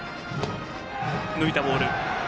抜いたボール。